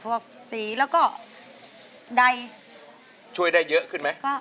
พวกสีแล้วก็ใดช่วยได้เยอะขึ้นไหม